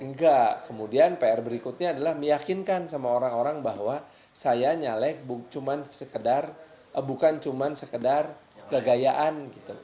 enggak kemudian pr berikutnya adalah meyakinkan sama orang orang bahwa saya nyalek bukan cuma sekedar kegayaan gitu